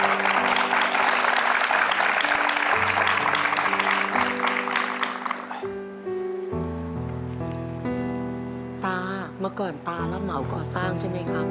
ตาเมื่อก่อนตารับเหมาก่อสร้างใช่ไหมครับ